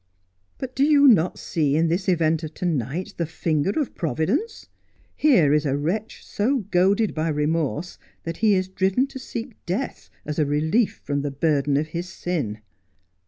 ' But do you not see in this event of to night the finger of Providence i Here is a wretch so goaded by remorse that he is driven to seek death as a relief from, the burden of his sin.'